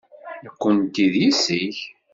Nekkenti d yessi-k.